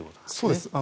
そうです。